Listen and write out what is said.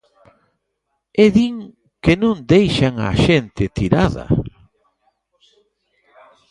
¿E din que non deixan á xente tirada?